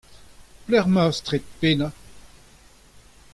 Pelec'h emañ ar straed pennañ ?